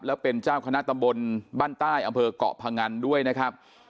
แล้วเป็นเจ้าคณะตำบลบ้านใต้อำเภอกเกาะพงันด้วยนะครับ